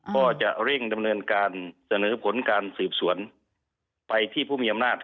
ก็จะเร่งดำเนินการเสนอผลการสืบสวนไปที่ผู้มีอำนาจ